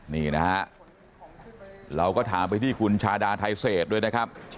นี่นะฮะเราก็ถามไปที่คุณชาดาไทเศษด้วยนะครับ